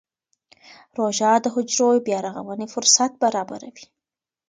روژه د حجرو بیا رغونې فرصت برابروي.